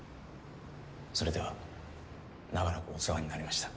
それでは長らくお世話になりました。